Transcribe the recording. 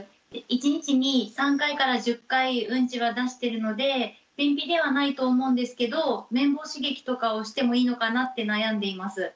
１日に３回から１０回ウンチは出してるので便秘ではないと思うんですけど綿棒刺激とかをしてもいいのかなって悩んでいます。